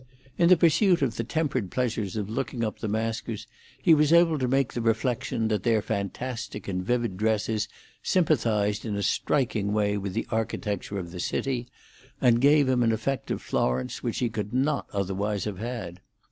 In the pursuit of the tempered pleasure of looking up the maskers he was able to make the reflection that their fantastic and vivid dresses sympathised in a striking way with the architecture of the city, and gave him an effect of Florence which he could not otherwise have had.